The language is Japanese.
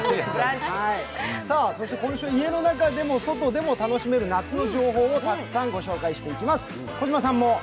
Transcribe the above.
そして今週、家の中でも外でも楽しめる夏の情報をたくさん御紹介していきます。